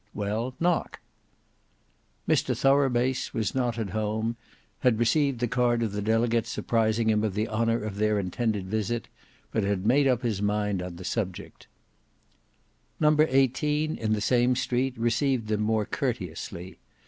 "Well, knock." Mr Thorough Base was not at home; had received the card of the delegates apprising him of the honour of their intended visit, but had made up his mind on the subject. No.18 in the same street received them more courteously.